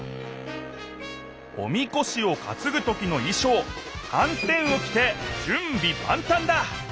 おみこしをかつぐときのいしょうはんてんをきてじゅんびばんたんだ！